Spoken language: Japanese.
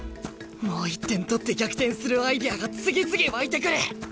もう１点取って逆転するアイデアが次々湧いてくる！